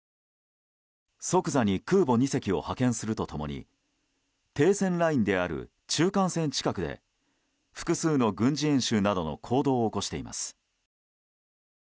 即座に空母２隻を派遣するとともに停戦ラインである中間線近くで複数の軍事演習などの行動を起こしています。